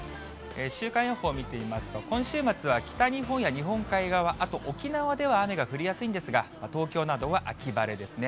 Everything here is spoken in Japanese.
週間予報見てみますと、今週末は北日本や日本海側、あと沖縄では雨が降りやすいんですが、東京などは秋晴れですね。